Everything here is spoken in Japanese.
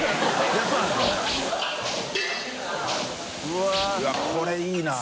うわっこれいいな。